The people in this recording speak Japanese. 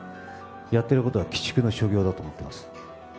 やってることは鬼畜の所業だと思ってます。